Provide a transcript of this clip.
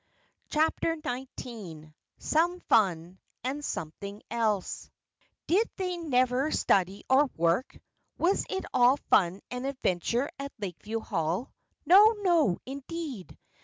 CHAPTER XIX SOME FUN AND SOMETHING ELSE Did they never study or work? Was it all fun and adventure at Lakeview Hall? No, no, indeed!